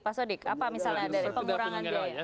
pak sodik apa misalnya dari pengurangan biaya